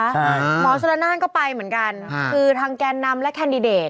หมอชุระนานก็ไปเหมือนกันคือทางแกนนำและแคนดิเดต